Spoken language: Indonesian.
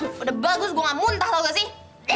udah bagus gue gak muntah tau gak sih